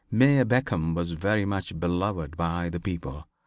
Mayor Beckham was very much beloved by the people.